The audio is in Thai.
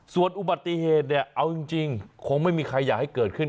ส่วนอุบัติเหตุเนี่ยเอาจริงคงไม่มีใครอยากให้เกิดขึ้น